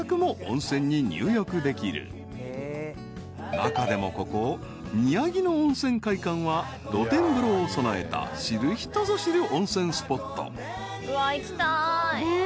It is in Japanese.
［中でもここ宮城野温泉会館は露天風呂を備えた知る人ぞ知る温泉スポット］ねえ。